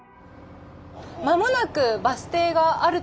間もなくバス停があると思います。